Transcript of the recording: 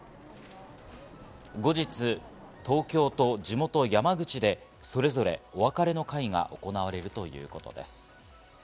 後日、東京と地元・山口でそれぞれお別れの会が行われるということです。